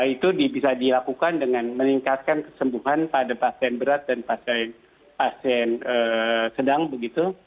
itu bisa dilakukan dengan meningkatkan kesembuhan pada pasien berat dan pasien sedang begitu